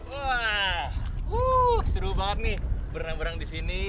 wah seru banget nih berenang berang di sini